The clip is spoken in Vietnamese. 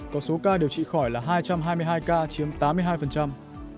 có số ca điều trị khỏi là hai trăm hai mươi hai ca chiếm tám mươi hai